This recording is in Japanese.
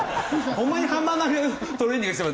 ホンマにハンマー投げのトレーニングしても。